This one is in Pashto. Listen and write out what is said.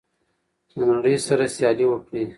له نړۍ سره سیالي وکړئ.